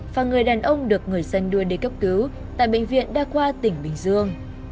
và người đàn ông được người dân đưa đến cấp cứu tại bệnh viện đa qua tỉnh bình dương